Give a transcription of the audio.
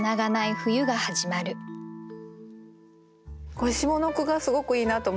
これ下の句がすごくいいなと思って。